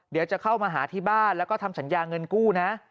เดี๋ยวจะเข้ามาหาที่บ้านแล้วก็ทำสัญญาเงินกู้นะ